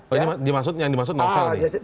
oh ini yang dimaksud nakal nih